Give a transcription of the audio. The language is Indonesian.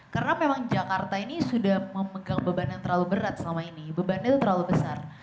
karena memang jakarta ini sudah memegang beban yang terlalu berat selama ini beban itu terlalu besar